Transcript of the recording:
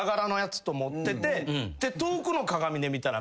遠くの鏡で見たら。